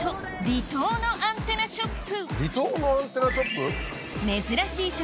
離島のアンテナショップ